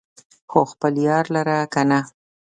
خو خپل يار لره کنه